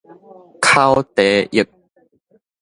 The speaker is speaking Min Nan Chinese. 口蹄疫